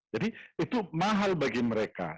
jadi itu mahal bagi mereka